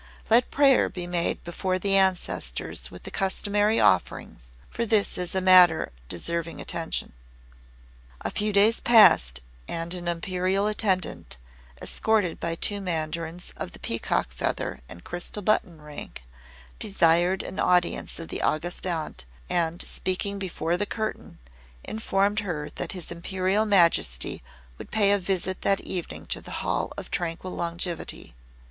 Let prayer be made before the Ancestors with the customary offerings, for this is a matter deserving attention." A few days passed, and an Imperial attendant, escorted by two mandarins of the peacock feather and crystal button rank, desired an audience of the August Aunt, and, speaking before the curtain, informed her that his Imperial Majesty would pay a visit that evening to the Hall of Tranquil Longevity.